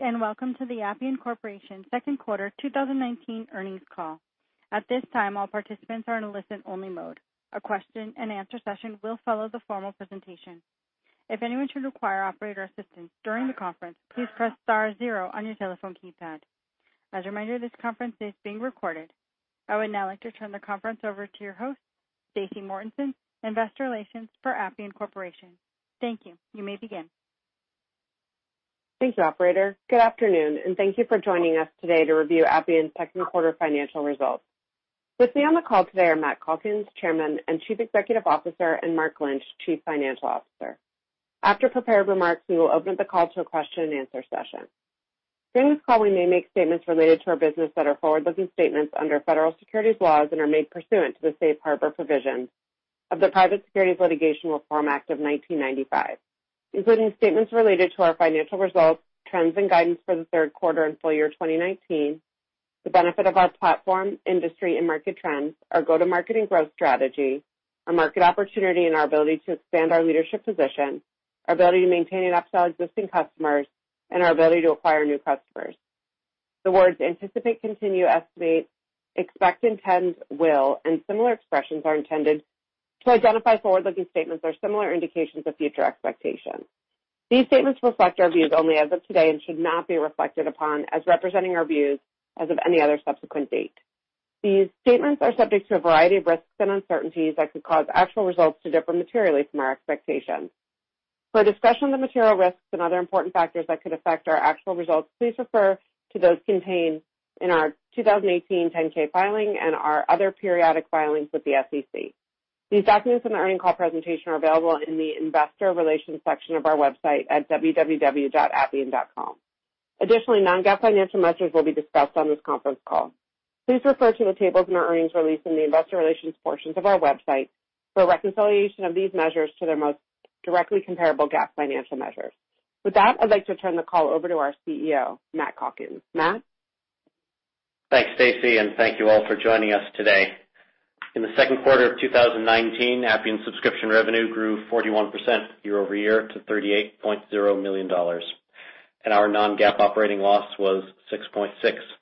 Welcome to the Appian Corporation second quarter 2019 earnings call. At this time, all participants are in listen-only mode. A question-and-answer session will follow the formal presentation. If anyone should require operator assistance during the conference, please press star zero on your telephone keypad. As a reminder, this conference is being recorded. I would now like to turn the conference over to your host, Stacy Mortensen, Investor Relations for Appian Corporation. Thank you. You may begin. Thank you, operator. Good afternoon, thank you for joining us today to review Appian's second quarter financial results. With me on the call today are Matt Calkins, Chairman and Chief Executive Officer, and Mark Lynch, Chief Financial Officer. After prepared remarks, we will open up the call to a question-and-answer session. During this call, we may make statements related to our business that are forward-looking statements under federal securities laws and are made pursuant to the Safe Harbor provisions of the Private Securities Litigation Reform Act of 1995, including statements related to our financial results, trends, and guidance for the third quarter and full year 2019, the benefit of our platform, industry, and market trends, our go-to-marketing growth strategy, our market opportunity, and our ability to expand our leadership position, our ability to maintain and upsell existing customers, and our ability to acquire new customers. The words anticipate, continue, estimate, expect, intends, will, and similar expressions are intended to identify forward-looking statements or similar indications of future expectations. These statements reflect our views only as of today and should not be reflected upon as representing our views as of any other subsequent date. These statements are subject to a variety of risks and uncertainties that could cause actual results to differ materially from our expectations. For a discussion of the material risks and other important factors that could affect our actual results, please refer to those contained in our 2018 10-K filing and our other periodic filings with the SEC. These documents and the earning call presentation are available in the investor relations section of our website at www.appian.com. Additionally, non-GAAP financial measures will be discussed on this conference call. Please refer to the tables in our earnings release in the investor relations portions of our website for a reconciliation of these measures to their most directly comparable GAAP financial measures. With that, I'd like to turn the call over to our CEO, Matt Calkins. Matt? Thanks, Stacy, and thank you all for joining us today. In the second quarter of 2019, Appian subscription revenue grew 41% year-over-year to $38.0 million, and our non-GAAP operating loss was $6.6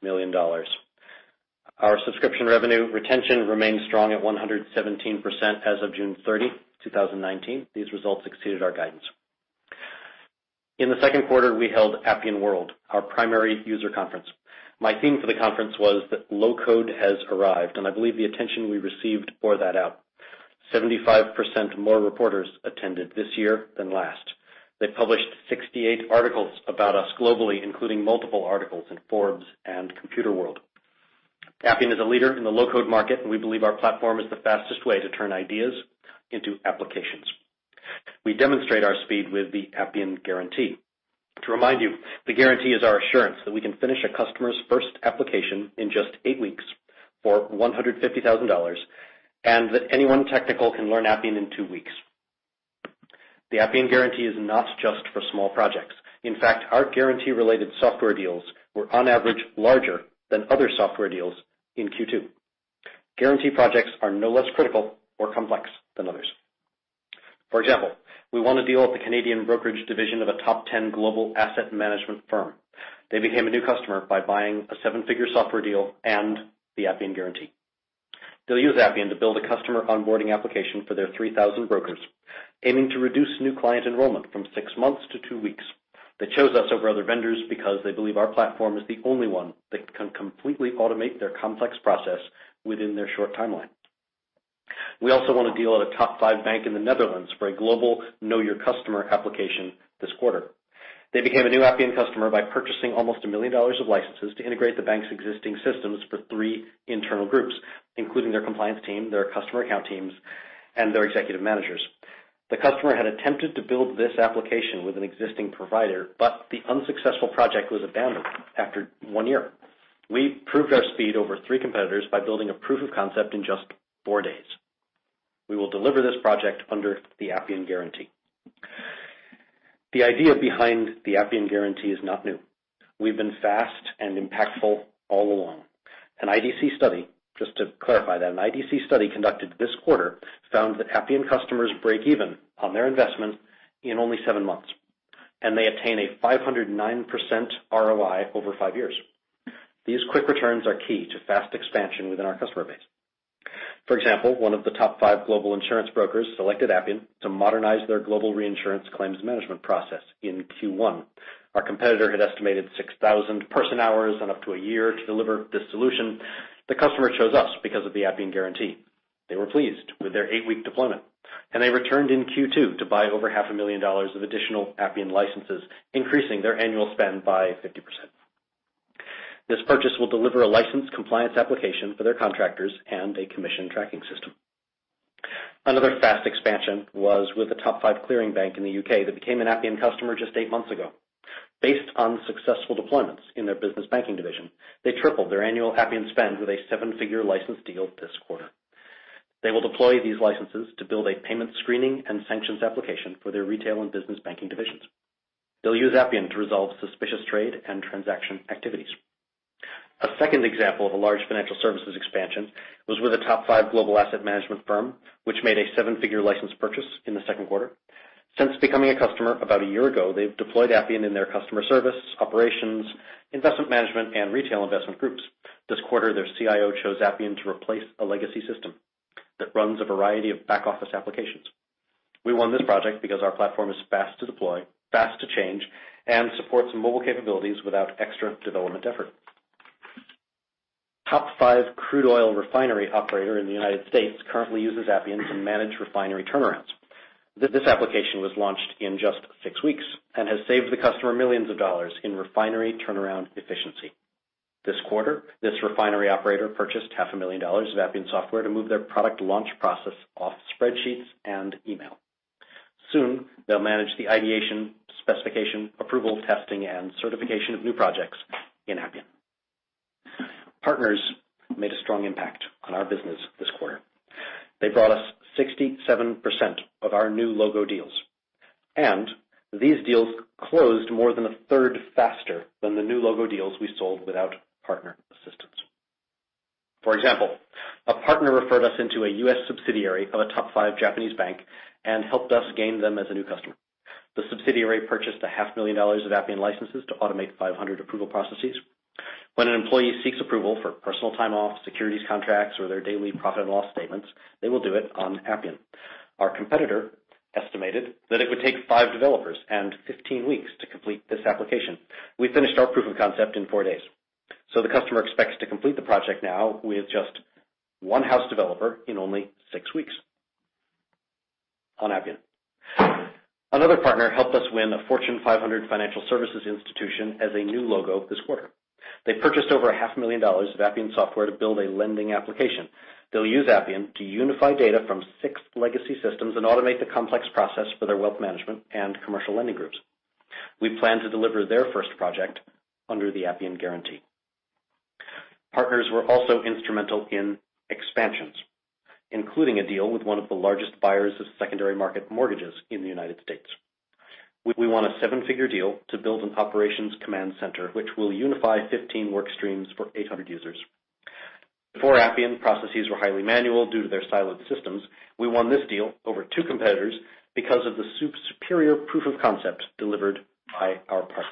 million. Our subscription revenue retention remains strong at 117% as of June 30, 2019. These results exceeded our guidance. In the second quarter, we held Appian World, our primary user conference. My theme for the conference was that low-code has arrived, and I believe the attention we received bore that out. 75% more reporters attended this year than last. They published 68 articles about us globally, including multiple articles in Forbes and Computerworld. Appian is a leader in the low-code market, and we believe our platform is the fastest way to turn ideas into applications. We demonstrate our speed with the Appian Guarantee. To remind you, the Guarantee is our assurance that we can finish a customer's first application in just eight weeks for $150,000, and that anyone technical can learn Appian in two weeks. The Appian Guarantee is not just for small projects. In fact, our Guarantee-related software deals were on average larger than other software deals in Q2. Guarantee projects are no less critical or complex than others. For example, we won a deal at the Canadian brokerage division of a top 10 global asset management firm. They became a new customer by buying a seven-figure software deal and the Appian Guarantee. They'll use Appian to build a customer onboarding application for their 3,000 brokers, aiming to reduce new client enrollment from six months to two weeks. They chose us over other vendors because they believe our platform is the only one that can completely automate their complex process within their short timeline. We also won a deal at a top 5 bank in the Netherlands for a global know your customer application this quarter. They became a new Appian customer by purchasing almost $1 million of licenses to integrate the bank's existing systems for 3 internal groups, including their compliance team, their customer account teams, and their executive managers. The customer had attempted to build this application with an existing provider, but the unsuccessful project was abandoned after 1 year. We proved our speed over 3 competitors by building a proof of concept in just 4 days. We will deliver this project under the Appian Guarantee. The idea behind the Appian Guarantee is not new. We've been fast and impactful all along. An IDC study, just to clarify that, an IDC study conducted this quarter found that Appian customers break even on their investment in only seven months, and they attain a 509% ROI over five years. These quick returns are key to fast expansion within our customer base. For example, one of the top five global insurance brokers selected Appian to modernize their global reinsurance claims management process in Q1. Our competitor had estimated 6,000 person-hours and up to a year to deliver this solution. The customer chose us because of the Appian Guarantee. They were pleased with their eight-week deployment, and they returned in Q2 to buy over half a million dollars of additional Appian licenses, increasing their annual spend by 50%. This purchase will deliver a license compliance application for their contractors and a commission tracking system. Another fast expansion was with the top 5 clearing bank in the U.K. that became an Appian customer just 8 months ago. Based on successful deployments in their business banking division, they tripled their annual Appian spend with a $seven-figure license deal this quarter. They will deploy these licenses to build a payment screening and sanctions application for their retail and business banking divisions. They'll use Appian to resolve suspicious trade and transaction activities. A second example of a large financial services expansion was with a top 5 global asset management firm, which made a $seven-figure license purchase in the second quarter. Since becoming a customer about a year ago, they've deployed Appian in their customer service, operations, investment management, and retail investment groups. This quarter, their CIO chose Appian to replace a legacy system that runs a variety of back-office applications. We won this project because our platform is fast to deploy, fast to change, and supports mobile capabilities without extra development effort. Top 5 crude oil refinery operator in the United States currently uses Appian to manage refinery turnarounds. This application was launched in just six weeks and has saved the customer millions of dollars in refinery turnaround efficiency. This quarter, this refinery operator purchased half a million dollars of Appian software to move their product launch process off spreadsheets and email. Soon, they'll manage the ideation, specification, approval, testing, and certification of new projects in Appian. Partners made a strong impact on our business this quarter. They brought us 67% of our new logo deals, and these deals closed more than a third faster than the new logo deals we sold without partner assistance. For example, a partner referred us into a U.S. subsidiary of a top five Japanese bank and helped us gain them as a new customer. The subsidiary purchased a half million dollars of Appian licenses to automate 500 approval processes. When an employee seeks approval for personal time off, securities contracts, or their daily profit and loss statements, they will do it on Appian. Our competitor estimated that it would take five developers and 15 weeks to complete this application. We finished our proof of concept in four days, so the customer expects to complete the project now with just one house developer in only six weeks on Appian. Another partner helped us win a Fortune 500 financial services institution as a new logo this quarter. They purchased over a half a million dollars of Appian software to build a lending application. They'll use Appian to unify data from six legacy systems and automate the complex process for their wealth management and commercial lending groups. We plan to deliver their first project under the Appian Guarantee. Partners were also instrumental in expansions, including a deal with one of the largest buyers of secondary market mortgages in the United States. We won a seven-figure deal to build an operations command center, which will unify 15 work streams for 800 users. Before Appian, processes were highly manual due to their siloed systems. We won this deal over two competitors because of the superior proof of concept delivered by our partners.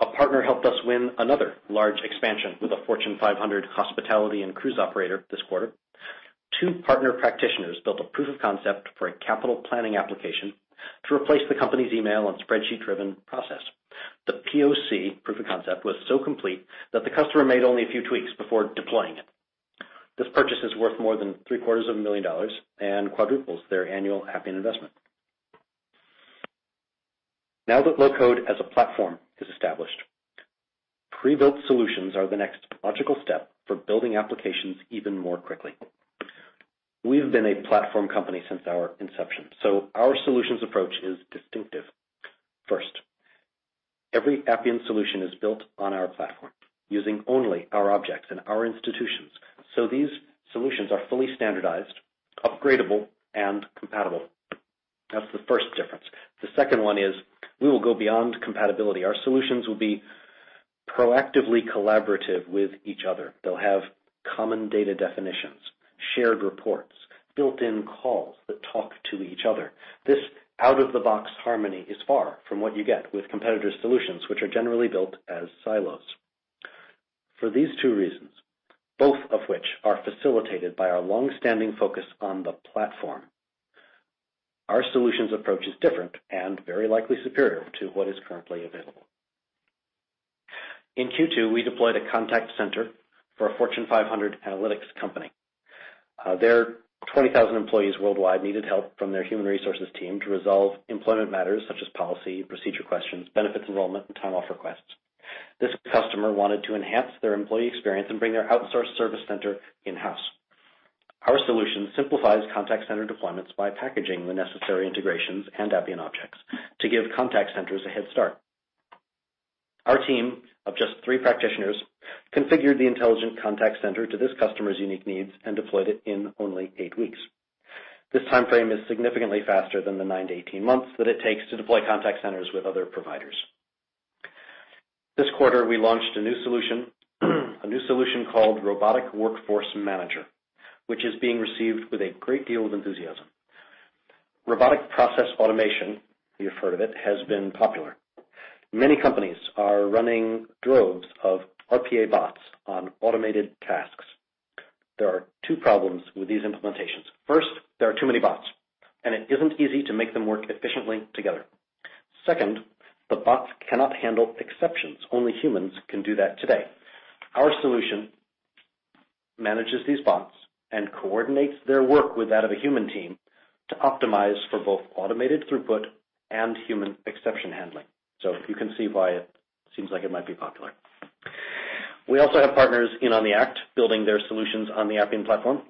A partner helped us win another large expansion with a Fortune 500 hospitality and cruise operator this quarter. Two partner practitioners built a proof of concept for a capital planning application to replace the company's email and spreadsheet-driven process. The POC, proof of concept, was so complete that the customer made only a few tweaks before deploying it. This purchase is worth more than three-quarters of a million dollars and quadruples their annual Appian investment. Now that low-code as a platform is established, pre-built solutions are the next logical step for building applications even more quickly. We've been a platform company since our inception, so our solutions approach is distinctive. First, every Appian solution is built on our platform using only our objects and our institutions, so these solutions are fully standardized, upgradable, and compatible. That's the first difference. The second one is we will go beyond compatibility. Our solutions will be proactively collaborative with each other. They'll have common data definitions, shared reports, built-in calls that talk to each other. This out-of-the-box harmony is far from what you get with competitors' solutions, which are generally built as silos. For these two reasons, both of which are facilitated by our longstanding focus on the platform, our solutions approach is different and very likely superior to what is currently available. In Q2, we deployed a contact center for a Fortune 500 analytics company. Their 20,000 employees worldwide needed help from their human resources team to resolve employment matters such as policy, procedure questions, benefits enrollment, and time-off requests. This customer wanted to enhance their employee experience and bring their outsourced service center in-house. Our solution simplifies contact center deployments by packaging the necessary integrations and Appian objects to give contact centers a head start. Our team of just three practitioners configured the Intelligent Contact Center to this customer's unique needs and deployed it in only eight weeks. This timeframe is significantly faster than the 9 to 18 months that it takes to deploy contact centers with other providers. This quarter, we launched a new solution called Robotic Workforce Manager, which is being received with a great deal of enthusiasm. Robotic process automation, you've heard of it, has been popular. Many companies are running droves of RPA bots on automated tasks. There are two problems with these implementations. First, there are too many bots, and it isn't easy to make them work efficiently together. Second, the bots cannot handle exceptions. Only humans can do that today. Our solution manages these bots and coordinates their work with that of a human team to optimize for both automated throughput and human exception handling. You can see why it seems like it might be popular. We also have partners in on the act, building their solutions on the Appian platform.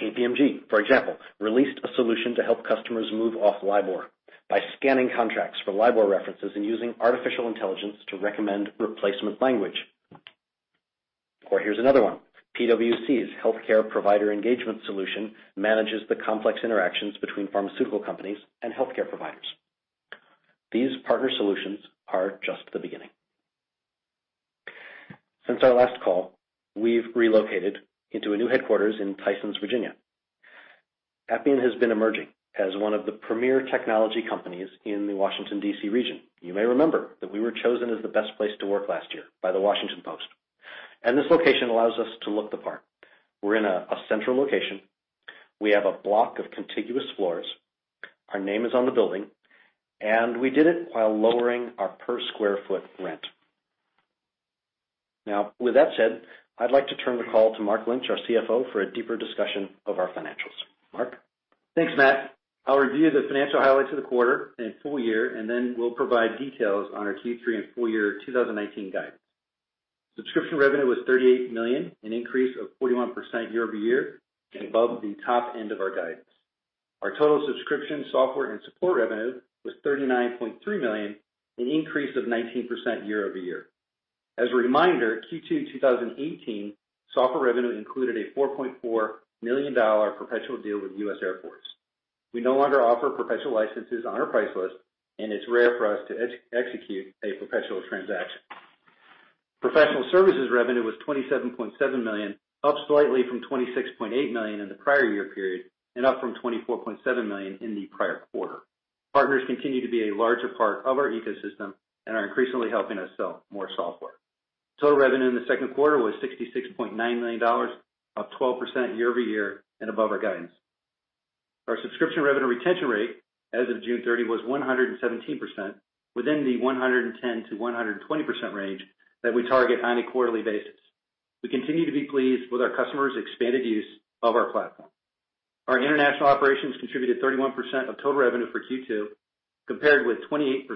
KPMG, for example, released a solution to help customers move off LIBOR by scanning contracts for LIBOR references and using artificial intelligence to recommend replacement language. Here's another one. PwC's healthcare provider engagement solution manages the complex interactions between pharmaceutical companies and healthcare providers. These partner solutions are just the beginning. Since our last call, we've relocated into a new headquarters in Tysons, Virginia. Appian has been emerging as one of the premier technology companies in the Washington, D.C. region. You may remember that we were chosen as the best place to work last year by The Washington Post. This location allows us to look the part. We're in a central location. We have a block of contiguous floors. Our name is on the building, and we did it while lowering our per square foot rent. Now, with that said, I'd like to turn the call to Mark Lynch, our CFO, for a deeper discussion of our financials. Mark? Thanks, Matt. I'll review the financial highlights of the quarter and full year, and then we'll provide details on our Q3 and full year 2019 guidance. Subscription revenue was $38 million, an increase of 41% year-over-year and above the top end of our guidance. Our total subscription, software, and support revenue was $39.3 million, an increase of 19% year-over-year. As a reminder, Q2 2018 software revenue included a $4.4 million perpetual deal with U.S. Air Force. We no longer offer perpetual licenses on our price list, and it's rare for us to execute a perpetual transaction. Professional services revenue was $27.7 million, up slightly from $26.8 million in the prior year period, and up from $24.7 million in the prior quarter. Partners continue to be a larger part of our ecosystem and are increasingly helping us sell more software. Total revenue in the second quarter was $66.9 million, up 12% year-over-year, and above our guidance. Our subscription revenue retention rate as of June 30 was 117%, within the 110%-120% range that we target on a quarterly basis. We continue to be pleased with our customers' expanded use of our platform. Our international operations contributed 31% of total revenue for Q2, compared with 28%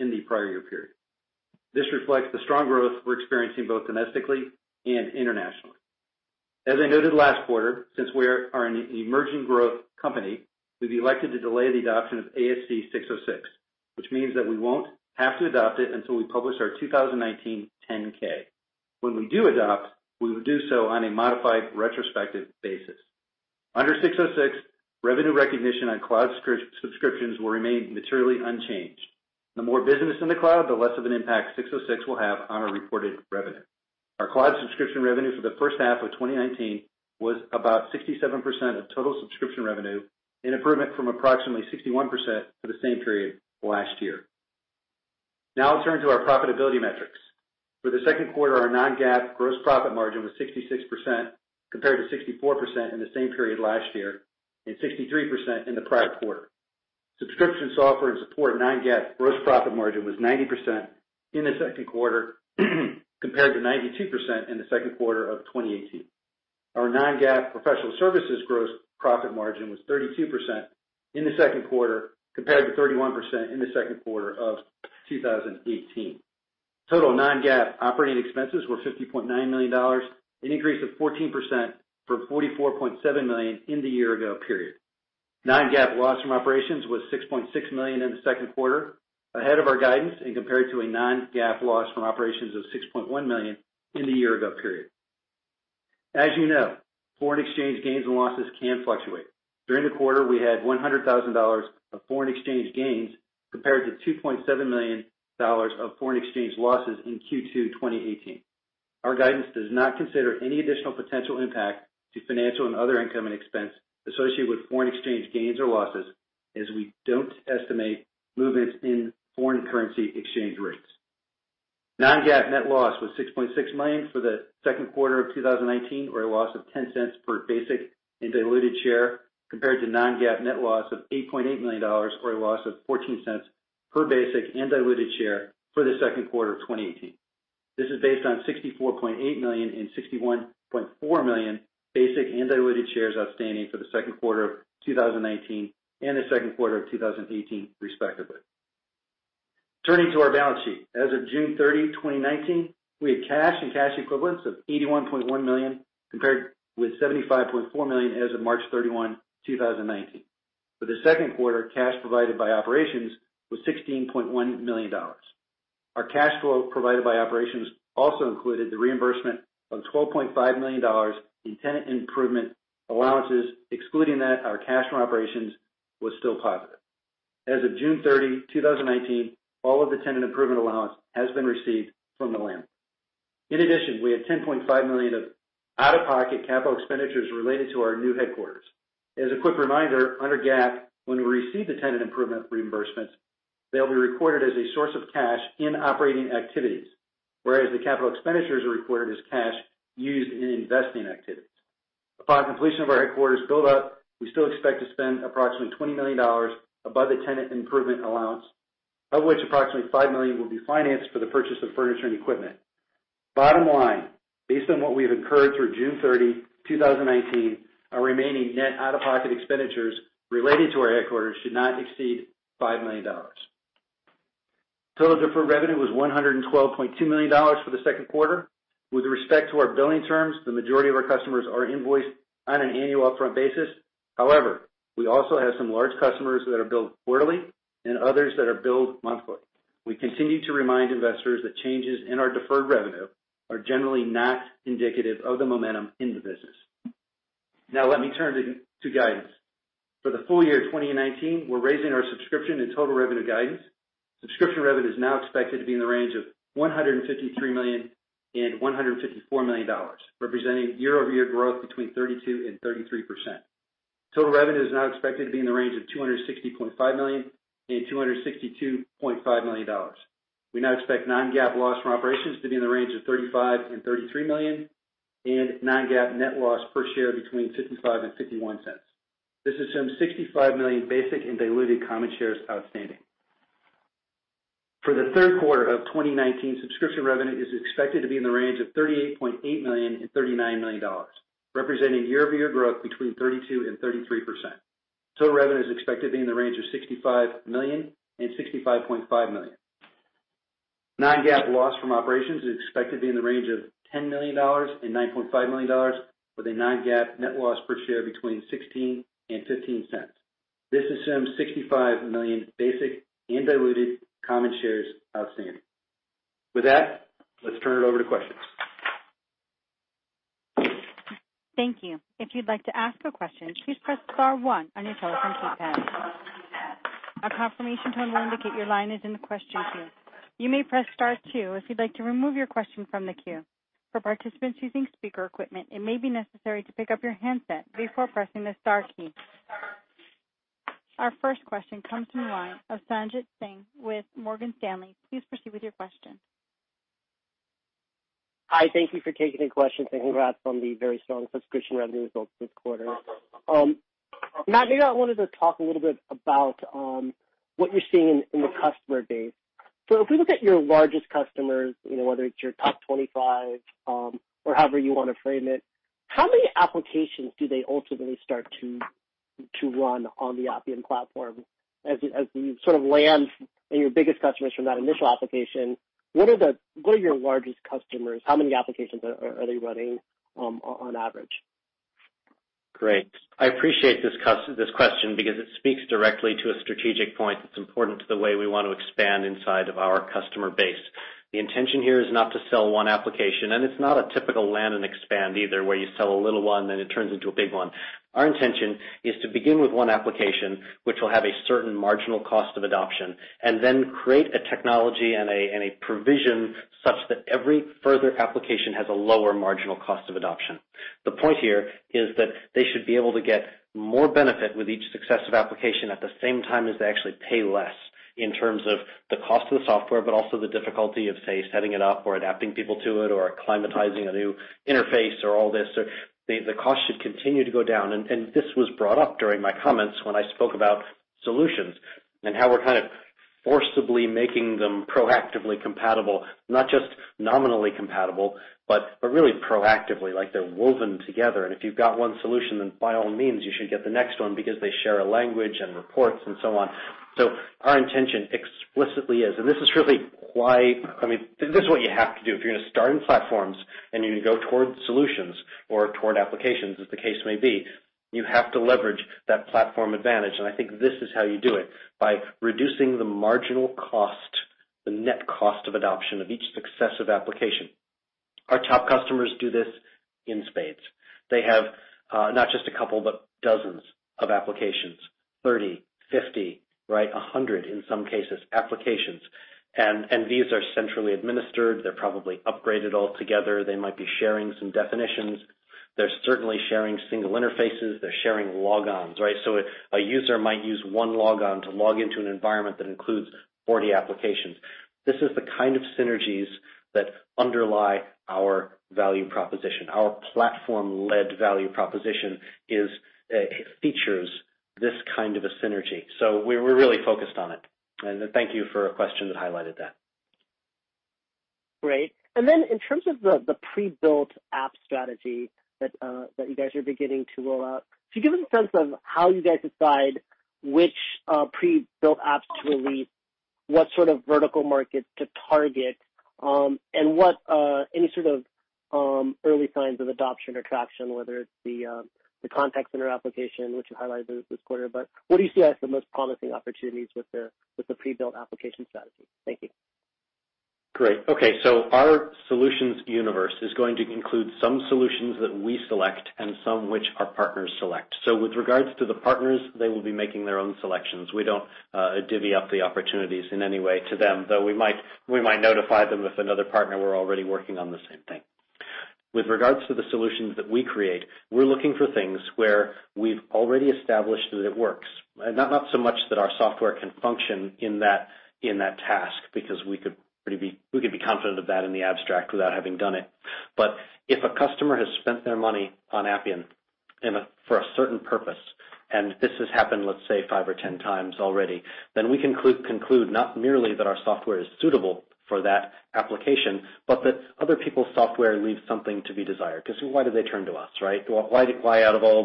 in the prior year period. This reflects the strong growth we're experiencing both domestically and internationally. As I noted last quarter, since we are an emerging growth company, we've elected to delay the adoption of ASC 606, which means that we won't have to adopt it until we publish our 2019 10-K. When we do adopt, we will do so on a modified retrospective basis. Under 606, revenue recognition on cloud subscriptions will remain materially unchanged. The more business in the cloud, the less of an impact ASC 606 will have on our reported revenue. Our cloud subscription revenue for the first half of 2019 was about 67% of total subscription revenue, an improvement from approximately 61% for the same period last year. Now I'll turn to our profitability metrics. For the second quarter, our non-GAAP gross profit margin was 66%, compared to 64% in the same period last year and 53% in the prior quarter. Subscription, software, and support non-GAAP gross profit margin was 90% in the second quarter, compared to 92% in the second quarter of 2018. Our non-GAAP professional services gross profit margin was 32% in the second quarter, compared to 31% in the second quarter of 2018. Total non-GAAP operating expenses were $50.9 million, an increase of 14% from $44.7 million in the year ago period. Non-GAAP loss from operations was $6.6 million in the second quarter, ahead of our guidance and compared to a Non-GAAP loss from operations of $6.1 million in the year ago period. As you know, foreign exchange gains and losses can fluctuate. During the quarter, we had $100,000 of foreign exchange gains, compared to $2.7 million of foreign exchange losses in Q2 2018. Our guidance does not consider any additional potential impact to financial and other income and expense associated with foreign exchange gains or losses, as we don't estimate movements in foreign currency exchange rates. Non-GAAP net loss was $6.6 million for the second quarter of 2019, or a loss of $0.10 per basic and diluted share, compared to Non-GAAP net loss of $8.8 million, or a loss of $0.14 per basic and diluted share for the second quarter of 2018. This is based on 64.8 million and 61.4 million basic and diluted shares outstanding for the second quarter of 2019 and the second quarter of 2018, respectively. Turning to our balance sheet. As of June 30, 2019, we had cash and cash equivalents of $81.1 million, compared with $75.4 million as of March 31, 2019. For the second quarter, cash provided by operations was $16.1 million. Our cash flow provided by operations also included the reimbursement of $12.5 million in tenant improvement allowances. Excluding that, our cash from operations was still positive. As of June 30, 2019, all of the tenant improvement allowance has been received from the landlord. In addition, we had $10.5 million of out-of-pocket capital expenditures related to our new headquarters. As a quick reminder, under GAAP, when we receive the tenant improvement reimbursements, they'll be recorded as a source of cash in operating activities. Whereas the capital expenditures are recorded as cash used in investing activities. Upon completion of our headquarters build-out, we still expect to spend approximately $20 million above the tenant improvement allowance, of which approximately $5 million will be financed for the purchase of furniture and equipment. Bottom line, based on what we have incurred through June 30, 2019, our remaining net out-of-pocket expenditures related to our headquarters should not exceed $5 million. Total deferred revenue was $112.2 million for the second quarter. With respect to our billing terms, the majority of our customers are invoiced on an annual upfront basis. However, we also have some large customers that are billed quarterly and others that are billed monthly. We continue to remind investors that changes in our deferred revenue are generally not indicative of the momentum in the business. Now let me turn to guidance. For the full year 2019, we're raising our subscription and total revenue guidance. Subscription revenue is now expected to be in the range of $153 million and $154 million, representing year-over-year growth between 32% and 33%. Total revenue is now expected to be in the range of $260.5 million and $262.5 million. We now expect non-GAAP loss from operations to be in the range of $35 million and $33 million, and non-GAAP net loss per share between $0.55 and $0.51. This assumes 65 million basic and diluted common shares outstanding. For the third quarter of 2019, subscription revenue is expected to be in the range of $38.8 million and $39 million, representing year-over-year growth between 32% and 33%. Total revenue is expected to be in the range of $65 million and $65.5 million. Non-GAAP loss from operations is expected to be in the range of $10 million and $9.5 million, with a non-GAAP net loss per share between $0.16 and $0.15. This assumes 65 million basic and diluted common shares outstanding. With that, let's turn it over to questions. Thank you. If you'd like to ask a question, please press star one on your telephone keypad. A confirmation tone will indicate your line is in the question queue. You may press star two if you'd like to remove your question from the queue. For participants using speaker equipment, it may be necessary to pick up your handset before pressing the star key. Our first question comes from the line of Sanjit Singh with Morgan Stanley. Please proceed with your question. Hi. Thank you for taking the question, and congrats on the very strong cloud subscription revenue results this quarter. Matt, maybe I wanted to talk a little bit about what you're seeing in the customer base. If we look at your largest customers, whether it's your top 25 or however you want to frame it, how many applications do they ultimately start to run on the Appian platform? As you sort of land on your biggest customers from that initial application, what are your largest customers, how many applications are they running on average? Great. I appreciate this question because it speaks directly to a strategic point that's important to the way we want to expand inside of our customer base. The intention here is not to sell one application, and it's not a typical land and expand either, where you sell a little one, then it turns into a big one. Our intention is to begin with one application, which will have a certain marginal cost of adoption, and then create a technology and a provision such that every further application has a lower marginal cost of adoption. The point here is that they should be able to get more benefit with each successive application at the same time as they actually pay less in terms of the cost of the software, but also the difficulty of, say, setting it up or adapting people to it or acclimatizing a new interface or all this. The cost should continue to go down. This was brought up during my comments when I spoke about solutions and how we're kind of forcibly making them proactively compatible. Not just nominally compatible, really proactively, like they're woven together, and if you've got one solution, then by all means, you should get the next one because they share a language and reports and so on. Our intention explicitly is. I mean, this is what you have to do. If you're going to start in platforms and you're going to go towards solutions or toward applications, as the case may be, you have to leverage that platform advantage, and I think this is how you do it, by reducing the marginal cost, the net cost of adoption of each successive application. Our top customers do this in spades. They have, not just a couple, but dozens of applications. 30, 50, right? 100, in some cases, applications. These are centrally administered. They're probably upgraded all together. They might be sharing some definitions. They're certainly sharing single interfaces. They're sharing logons, right? A user might use one logon to log into an environment that includes 40 applications. This is the kind of synergies that underlie our value proposition. Our platform-led value proposition features this kind of a synergy. We're really focused on it, and thank you for a question that highlighted that. Great. In terms of the pre-built app strategy that you guys are beginning to roll out, can you give us a sense of how you guys decide which pre-built apps to release, what sort of vertical market to target, and any sort of early signs of adoption or traction, whether it's the Contact Center Application, which you highlighted this quarter, but what do you see as the most promising opportunities with the pre-built application strategy? Thank you. Great. Okay, our solutions universe is going to include some solutions that we select and some which our partners select. With regards to the partners, they will be making their own selections. We don't divvy up the opportunities in any way to them, though we might notify them if another partner were already working on the same thing. With regards to the solutions that we create, we're looking for things where we've already established that it works. Not so much that our software can function in that task, because we could be confident of that in the abstract without having done it. If a customer has spent their money on Appian for a certain purpose, and this has happened, let's say, 5 or 10 times already, then we can conclude not merely that our software is suitable for that application, but that other people's software leaves something to be desired. Why do they turn to us, right? Why out of all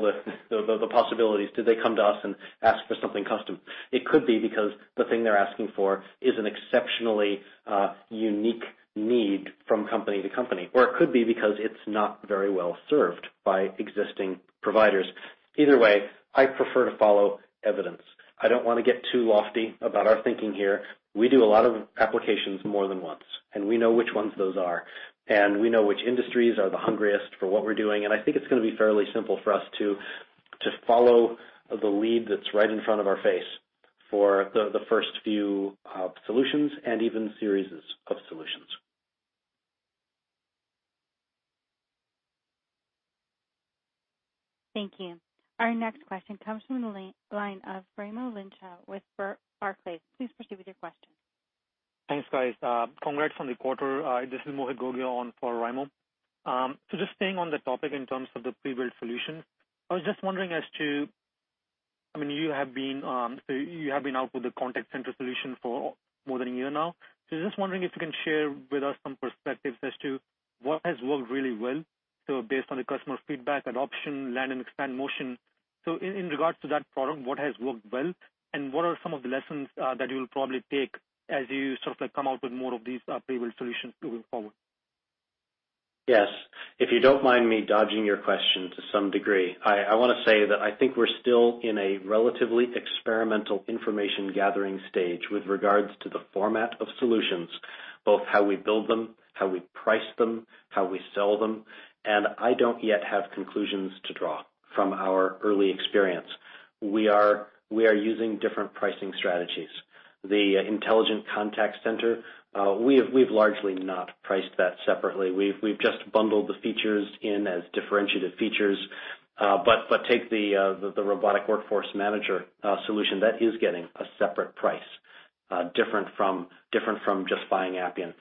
the possibilities did they come to us and ask for something custom? It could be because the thing they're asking for is an exceptionally unique need from company to company. It could be because it's not very well served by existing providers. Either way, I prefer to follow Evidence. I don't want to get too lofty about our thinking here. We do a lot of applications more than once, and we know which ones those are, and we know which industries are the hungriest for what we're doing. I think it's going to be fairly simple for us to follow the lead that's right in front of our face for the first few solutions and even series of solutions. Thank you. Our next question comes from the line of Raimo Lenschow with Barclays. Please proceed with your question. Thanks, guys. Congrats on the quarter. This is Mohit Gogia on for Raimo. Just staying on the topic in terms of the pre-built solutions, I was just wondering as to, you have been out with the contact center solution for more than a year now. Just wondering if you can share with us some perspectives as to what has worked really well. Based on the customer feedback, adoption, land and expand motion. In regards to that product, what has worked well, and what are some of the lessons that you'll probably take as you sort of come out with more of these pre-built solutions moving forward? Yes. If you don't mind me dodging your question to some degree, I want to say that I think we're still in a relatively experimental information-gathering stage with regards to the format of solutions, both how we build them, how we price them, how we sell them, and I don't yet have conclusions to draw from our early experience. We are using different pricing strategies. The Intelligent Contact Center, we've largely not priced that separately. We've just bundled the features in as differentiated features. But take the Robotic Workforce Manager solution, that is getting a separate price, different from just buying Appian.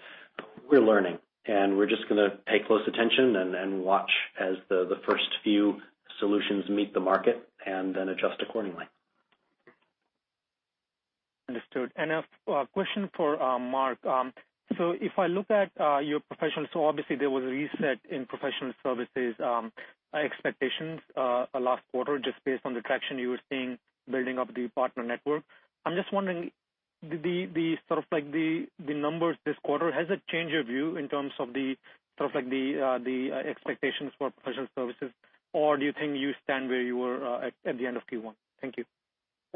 We're learning, and we're just going to pay close attention and watch as the first few solutions meet the market, and then adjust accordingly. Understood. A question for Mark. If I look at your professional, so obviously there was a reset in professional services expectations last quarter, just based on the traction you were seeing building up the partner network. I'm just wondering, the numbers this quarter, has it changed your view in terms of the expectations for professional services, or do you think you stand where you were at the end of Q1? Thank you.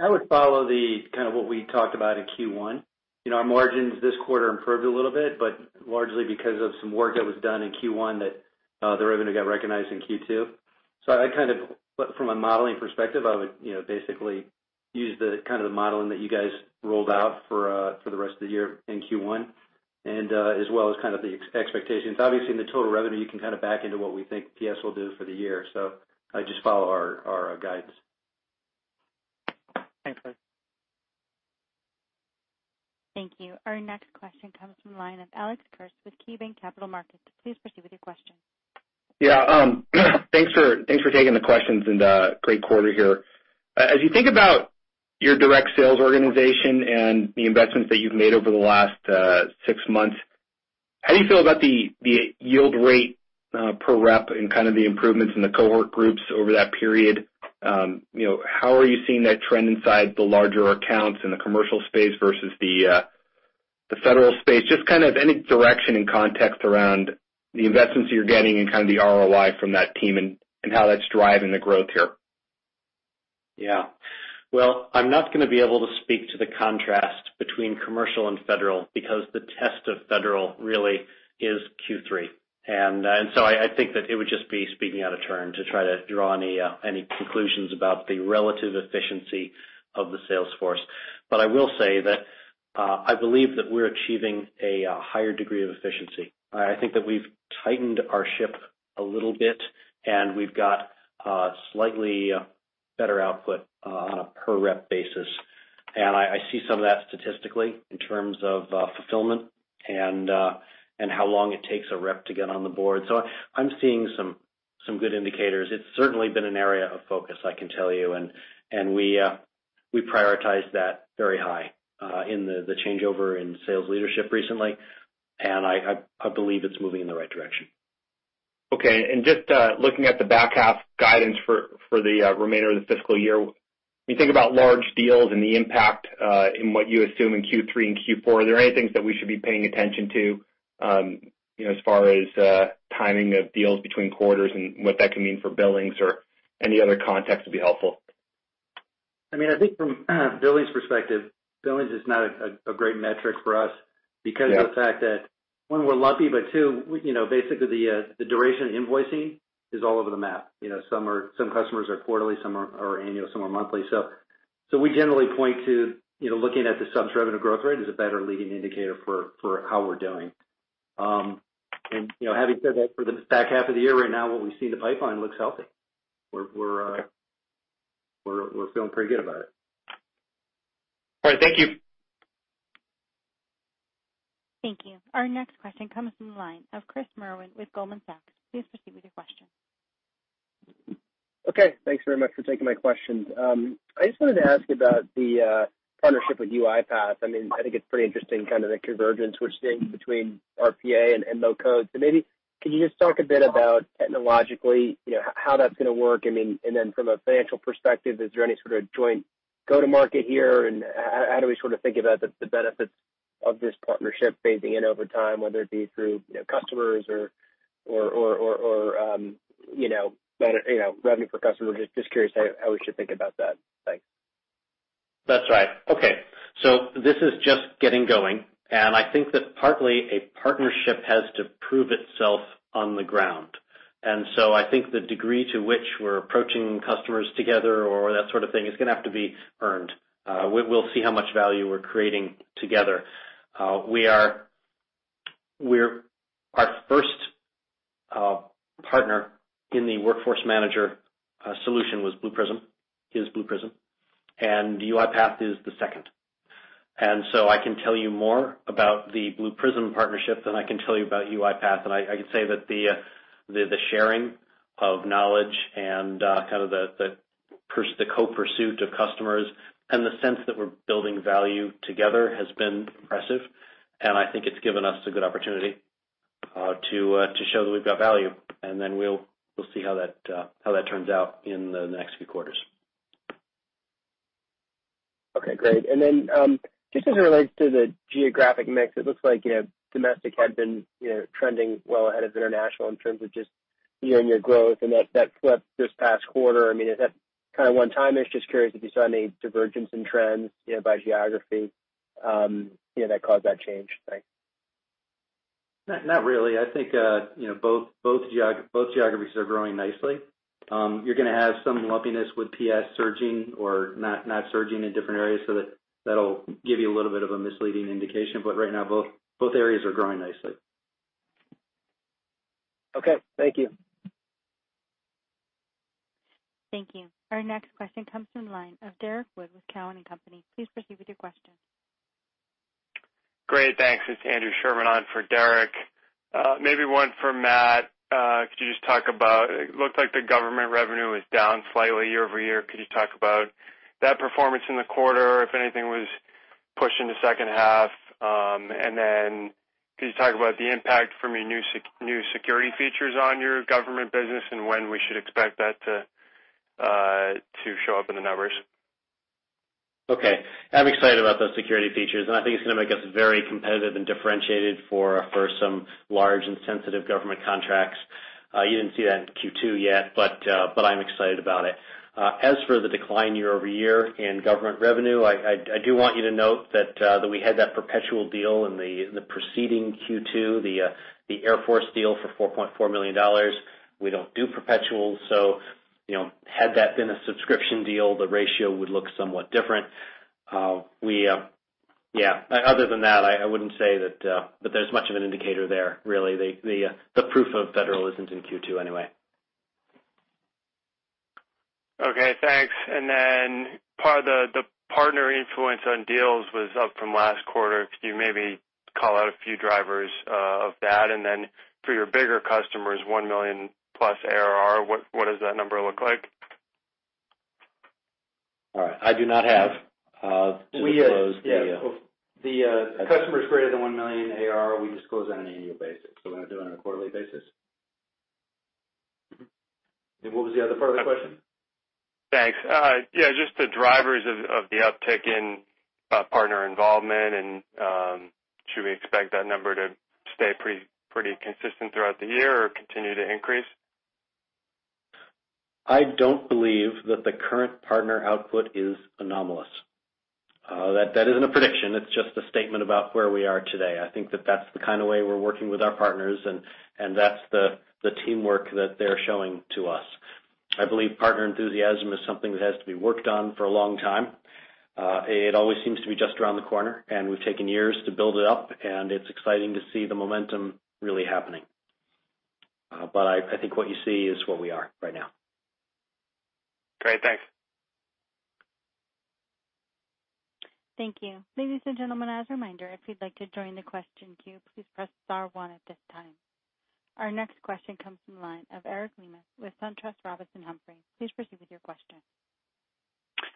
I would follow what we talked about in Q1. Our margins this quarter improved a little bit, but largely because of some work that was done in Q1 that the revenue got recognized in Q2. From a modeling perspective, I would basically use the modeling that you guys rolled out for the rest of the year in Q1. As well as the expectations. Obviously, in the total revenue, you can back into what we think PS will do for the year. I just follow our guidance. Thanks, guys. Thank you. Our next question comes from the line of Alex Kurtz with KeyBanc Capital Markets. Please proceed with your question. Yeah. Thanks for taking the questions and great quarter here. As you think about your direct sales organization and the investments that you've made over the last six months, how do you feel about the yield rate per rep and kind of the improvements in the cohort groups over that period? How are you seeing that trend inside the larger accounts in the commercial space versus the federal space? Just any direction and context around the investments you're getting and kind of the ROI from that team and how that's driving the growth here. Well, I'm not going to be able to speak to the contrast between commercial and federal, because the test of federal really is Q3. I think that it would just be speaking out of turn to try to draw any conclusions about the relative efficiency of the sales force. I will say that I believe that we're achieving a higher degree of efficiency. I think that we've tightened our ship a little bit, and we've got slightly better output on a per rep basis. I see some of that statistically in terms of fulfillment and how long it takes a rep to get on the board. I'm seeing some good indicators. It's certainly been an area of focus, I can tell you, and we prioritize that very high in the changeover in sales leadership recently. I believe it's moving in the right direction. Okay. Just looking at the back half guidance for the remainder of the fiscal year, when you think about large deals and the impact in what you assume in Q3 and Q4, are there any things that we should be paying attention to as far as timing of deals between quarters and what that can mean for billings or any other context would be helpful? I think from billings perspective, billings is not a great metric for us because of the fact that, one, we're lucky, but two, basically the duration of invoicing is all over the map. Some customers are quarterly, some are annual, some are monthly. We generally point to looking at the subs revenue growth rate as a better leading indicator for how we're doing. Having said that, for the back half of the year right now, what we see in the pipeline looks healthy. We're feeling pretty good about it. All right. Thank you. Thank you. Our next question comes from the line of Chris Merwin with Goldman Sachs. Please proceed with your question. Okay. Thanks very much for taking my questions. I just wanted to ask about the partnership with UiPath. I think it's pretty interesting, kind of the convergence we're seeing between RPA and low-code. Maybe could you just talk a bit about technologically how that's going to work? From a financial perspective, is there any sort of joint go-to-market here, and how do we sort of think about the benefits of this partnership phasing in over time, whether it be through customers or revenue per customer. Just curious how we should think about that. Thanks. That's right. Okay. This is just getting going, and I think that partly a partnership has to prove itself on the ground. I think the degree to which we're approaching customers together or that sort of thing, is going to have to be earned. We'll see how much value we're creating together. Our first partner in the Workforce Manager solution is Blue Prism, and UiPath is the second. I can tell you more about the Blue Prism partnership than I can tell you about UiPath. I can say that the sharing of knowledge and the co-pursuit of customers and the sense that we're building value together has been impressive, and I think it's given us a good opportunity to show that we've got value, and then we'll see how that turns out in the next few quarters. Okay, great. Just as it relates to the geographic mix, it looks like domestic had been trending well ahead of international in terms of just you and your growth and that flip this past quarter. Is that one time-ish? Just curious if you saw any divergence in trends by geography that caused that change. Thanks. Not really. I think both geographies are growing nicely. You're going to have some lumpiness with PS surging or not surging in different areas, so that'll give you a little bit of a misleading indication. Right now, both areas are growing nicely. Okay, thank you. Thank you. Our next question comes from the line of Derrick Wood with Cowen and Company. Please proceed with your question. Great. Thanks. It's Andrew Sherman on for Derrick. Maybe one for Matt. Could you just talk about, it looked like the government revenue was down slightly year-over-year. Could you talk about that performance in the quarter if anything was pushed into second half? Could you talk about the impact from your new security features on your government business and when we should expect that to show up in the numbers? I'm excited about those security features, and I think it's going to make us very competitive and differentiated for some large and sensitive government contracts. You didn't see that in Q2 yet, but I'm excited about it. As for the decline year-over-year in government revenue, I do want you to note that we had that perpetual deal in the preceding Q2, the Air Force deal for $4.4 million. We don't do perpetual. Had that been a subscription deal, the ratio would look somewhat different. Other than that, I wouldn't say that there's much of an indicator there really. The proof of federal isn't in Q2 anyway. Okay, thanks. Part of the partner influence on deals was up from last quarter. Could you maybe call out a few drivers of that? For your bigger customers, $1 million plus ARR, what does that number look like? All right. I do not have disclosed The customers greater than $1 million ARR, we disclose that on an annual basis. We don't do it on a quarterly basis. What was the other part of the question? Thanks. Yeah, just the drivers of the uptick in partner involvement, and should we expect that number to stay pretty consistent throughout the year or continue to increase? I don't believe that the current partner output is anomalous. That isn't a prediction. It's just a statement about where we are today. I think that that's the kind of way we're working with our partners, and that's the teamwork that they're showing to us. I believe partner enthusiasm is something that has to be worked on for a long time. It always seems to be just around the corner, and we've taken years to build it up, and it's exciting to see the momentum really happening. I think what you see is what we are right now. Great. Thanks. Thank you. Ladies and gentlemen, as a reminder, if you'd like to join the question queue, please press star 1 at this time. Our next question comes from the line of Eric Lemus with SunTrust Robinson Humphrey. Please proceed with your question.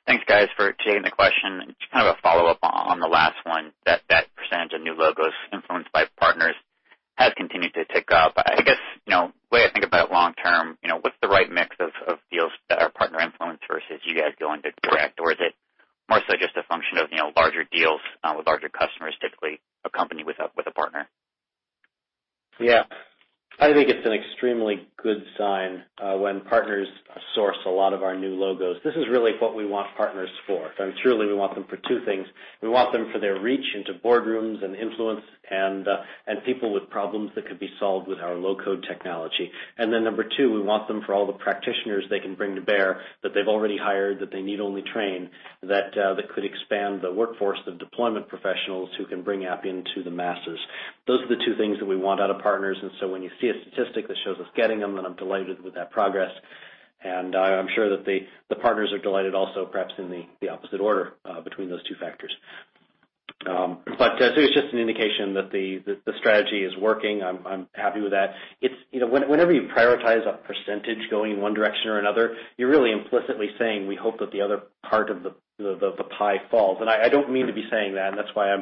Thanks, guys, for taking the question. Just a follow-up on the last one, that percentage of new logos influenced by partners has continued to tick up. I guess, the way I think about long term, what's the right mix of deals that are partner influenced versus you guys going direct? Is it more so just a function of larger deals with larger customers, typically a company with a partner? Yeah. I think it's an extremely good sign when partners source a lot of our new logos. This is really what we want partners for. Truly, we want them for two things. We want them for their reach into boardrooms and influence and people with problems that could be solved with our low-code technology. Number two, we want them for all the practitioners they can bring to bear that they've already hired, that they need only train, that could expand the workforce of deployment professionals who can bring Appian to the masses. Those are the two things that we want out of partners. When you see a statistic that shows us getting them, then I'm delighted with that progress. I'm sure that the partners are delighted also, perhaps in the opposite order between those two factors. I think it's just an indication that the strategy is working. I'm happy with that. Whenever you prioritize a percentage going in one direction or another, you're really implicitly saying we hope that the other part of the pie falls. I don't mean to be saying that, and that's why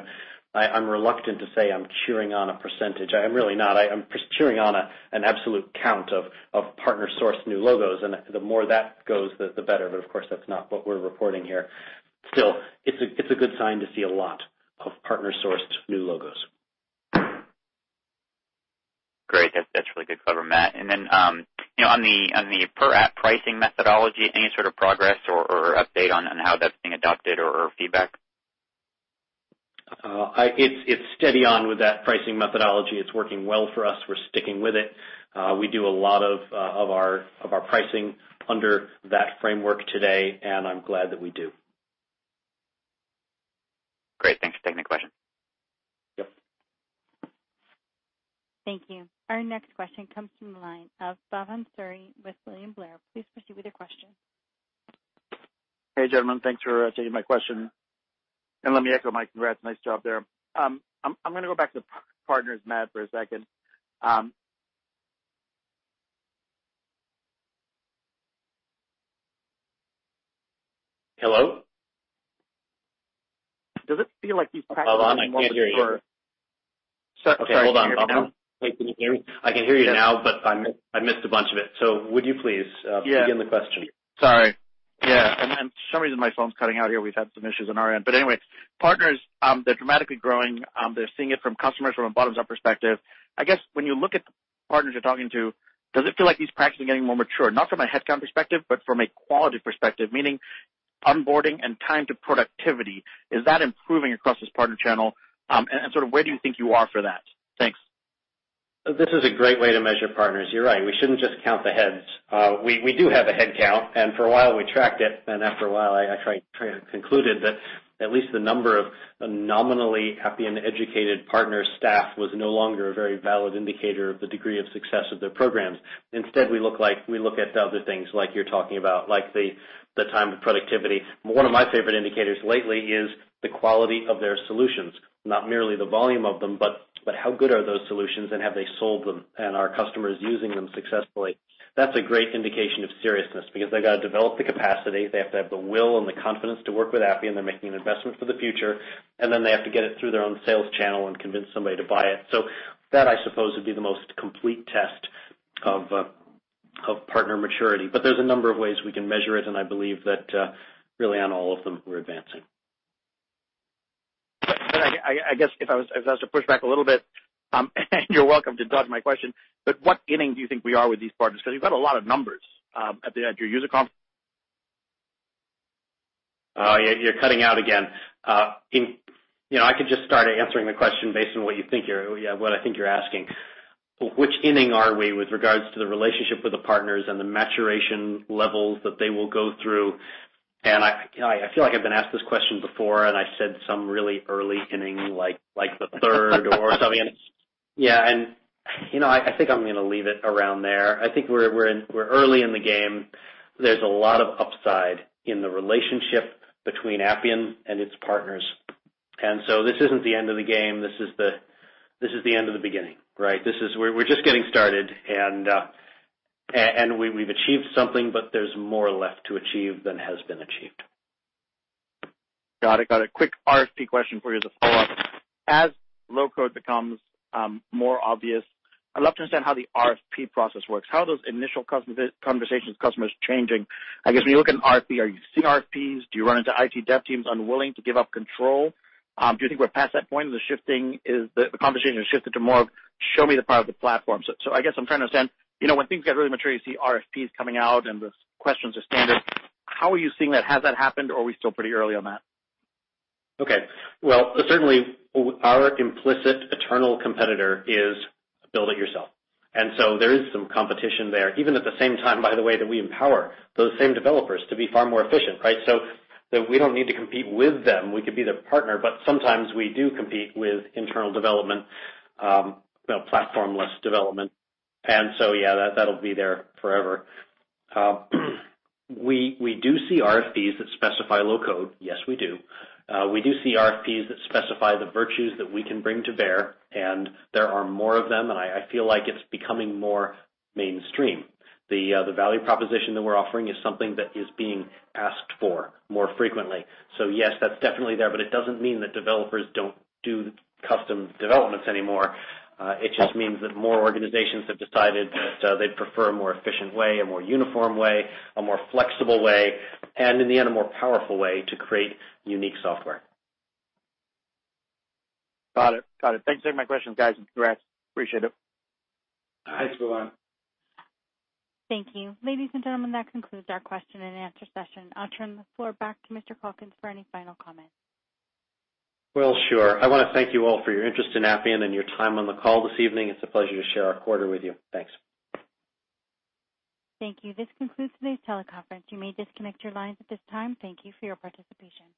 I'm reluctant to say I'm cheering on a percentage. I'm really not. I'm just cheering on an absolute count of partner-sourced new logos, and the more that goes, the better. Of course, that's not what we're reporting here. Still, it's a good sign to see a lot of partner-sourced new logos. Great. That's really good cover, Matt. On the per app pricing methodology, any sort of progress or update on how that's being adopted or feedback? It's steady on with that pricing methodology. It's working well for us. We're sticking with it. We do a lot of our pricing under that framework today, and I'm glad that we do. Great. Thanks for taking the question. Yep. Thank you. Our next question comes from the line of Bhavan Suri with William Blair. Please proceed with your question. Hey, gentlemen. Thanks for taking my question. Let me echo Matt. Congrats. Nice job there. I'm going to go back to partners, Matt, for a second. Hello? Does it feel like these practices? Bhavan, I can't hear you. Sorry. Can you hear me now? Okay, hold on, Bhavan. I can hear you now, but I missed a bunch of it. Would you please begin the question? Sorry. Yeah. For some reason, my phone's cutting out here. We've had some issues on our end. Anyway, partners, they're dramatically growing. They're seeing it from customers from a bottoms-up perspective. I guess when you look at the partners you're talking to, does it feel like these practices are getting more mature? Not from a headcount perspective, but from a quality perspective, meaning onboarding and time to productivity. Is that improving across this partner channel? Where do you think you are for that? Thanks. This is a great way to measure partners. You're right, we shouldn't just count the heads. We do have a headcount, and for a while we tracked it, and after a while, I kind of concluded that at least the number of nominally happy and educated partner staff was no longer a very valid indicator of the degree of success of their programs. Instead, we look at the other things like you're talking about, like the time to productivity. One of my favorite indicators lately is the quality of their solutions. Not merely the volume of them, but how good are those solutions, and have they sold them, and are customers using them successfully? That's a great indication of seriousness, because they've got to develop the capacity. They have to have the will and the confidence to work with Appian. They're making an investment for the future, and then they have to get it through their own sales channel and convince somebody to buy it. That, I suppose, would be the most complete test of partner maturity. There's a number of ways we can measure it, and I believe that really on all of them, we're advancing. I guess if I was to push back a little bit, and you're welcome to dodge my question, but what inning do you think we are with these partners? Because you've got a lot of numbers at your user con-. Oh, yeah. You're cutting out again. I could just start answering the question based on what I think you're asking. Which inning are we with regards to the relationship with the partners and the maturation levels that they will go through? I feel like I've been asked this question before, and I said some really early inning, like the third or something. Yeah, I think I'm going to leave it around there. I think we're early in the game. There's a lot of upside in the relationship between Appian and its partners, and so this isn't the end of the game. This is the end of the beginning, right? We're just getting started, and we've achieved something, but there's more left to achieve than has been achieved. Got it. Got a quick RFP question for you as a follow-up. As low-code becomes more obvious, I'd love to understand how the RFP process works. How are those initial conversations with customers changing? I guess, when you look at an RFP, are you seeing RFPs? Do you run into IT dev teams unwilling to give up control? Do you think we're past that point? The conversation has shifted to more of a show me the power of the platform. I guess I'm trying to understand, when things get really mature, you see RFPs coming out and the questions are standard. How are you seeing that? Has that happened, or are we still pretty early on that? Okay. Well, certainly our implicit eternal competitor is build-it-yourself, and so there is some competition there, even at the same time, by the way, that we empower those same developers to be far more efficient, right? We don't need to compete with them. We could be their partner, but sometimes we do compete with internal development, platformless development. Yeah, that'll be there forever. We do see RFPs that specify low-code. Yes, we do. We do see RFPs that specify the virtues that we can bring to bear, and there are more of them, and I feel like it's becoming more mainstream. The value proposition that we're offering is something that is being asked for more frequently. Yes, that's definitely there, but it doesn't mean that developers don't do custom developments anymore. It just means that more organizations have decided that they'd prefer a more efficient way, a more uniform way, a more flexible way, and in the end, a more powerful way to create unique software. Got it. Thanks for taking my questions, guys. Congrats. Appreciate it. Thanks, Bhavan. Thank you. Ladies and gentlemen, that concludes our question and answer session. I'll turn the floor back to Mr. Calkins for any final comments. Sure. I want to thank you all for your interest in Appian and your time on the call this evening. It's a pleasure to share our quarter with you. Thanks. Thank you. This concludes today's teleconference. You may disconnect your lines at this time. Thank you for your participation.